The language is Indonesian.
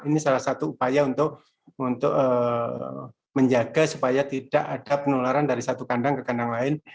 ini salah satu upaya untuk menjaga supaya tidak ada penularan dari satu kandang ke kandang lain